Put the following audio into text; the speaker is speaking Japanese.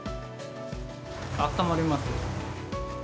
あったまります。